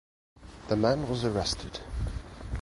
The man was arrested.